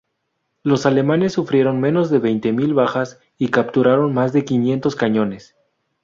Los alemanes sufrieron menos de veinte mil bajas y capturaron más de quinientos cañones.